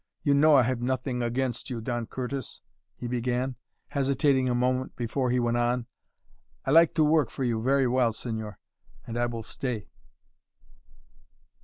"You know I have nothing against you, Don Curtis," he began, hesitating a moment before he went on; "I like to work for you very well, señor, and I will stay."